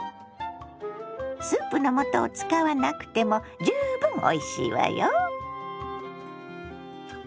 スープのもとを使わなくても十分おいしいわよ。